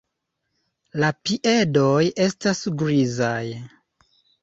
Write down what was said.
La piedoj estas grizaj.